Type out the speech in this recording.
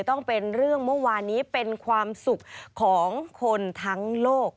ต้องเป็นเรื่องเมื่อวานนี้เป็นความสุขของคนทั้งโลก